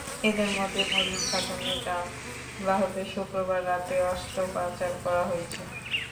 এদের মধ্যে মরিয়ম খাতুনের ডান বাহুতে শুক্রবার রাতে অস্ত্রোপচার করা হয়েছে।